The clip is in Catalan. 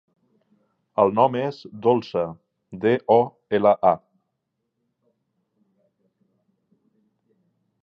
El nom és Dolça: de, o, ela, a.